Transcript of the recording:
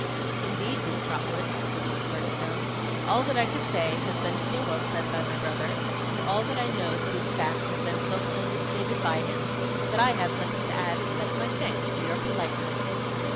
'Indeed, Miss Trotwood,' said Miss Murdstone, 'all that I could say has been so well said by my brother, and all that I know to be the fact has been so plainly stated by him, that I have nothing to add except my thanks for your politeness.